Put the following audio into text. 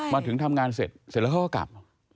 มาถึงทำงานเสร็จแล้วเขาก็กลับ